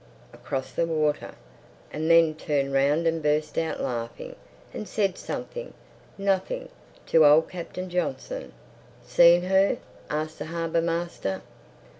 across the water; and then turned round and burst out laughing and said something—nothing—to old Captain Johnson. "Seen her?" asked the harbour master.